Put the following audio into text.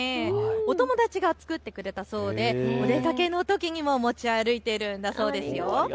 お友達が作ってくれたそうでお出かけのときにも持ち歩いているんだそうですよ。